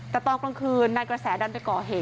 แต่ตอนกลางคืนนายกระแสดันไปก่อเหตุ